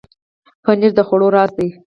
پنېر د خوړو راز دی.